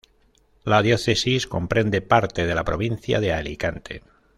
La diócesis comprende parte de la provincia de Alicante.